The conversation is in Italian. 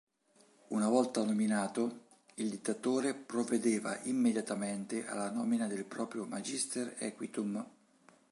Una volta nominato, il dittatore provvedeva immediatamente alla nomina del proprio "magister equitum".